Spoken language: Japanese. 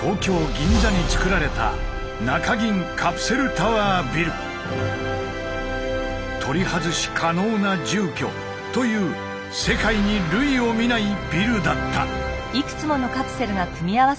銀座につくられた「取り外し可能な住居」という世界に類を見ないビルだった。